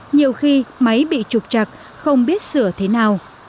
nhiều khi máy bị trục chặt không biết sửa thế nào